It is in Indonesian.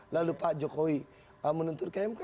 lalu pak jokowi menuntur ke mk